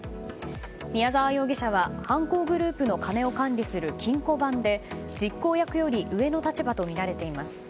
宮沢容疑者は、犯行グループの金を管理する金庫番で実行役より上の立場とみられています。